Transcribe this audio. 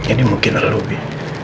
ini mungkin adalah lo bi